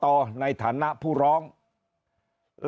เปิดโอกาสให้กรกตอในฐานะผู้ร้องและเปิดโอกาสให้พัก